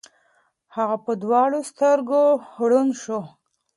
هغه په دواړو سترګو ړوند شو.